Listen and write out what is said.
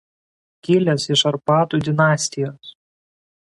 Kilęs iš Arpadų dinastijos.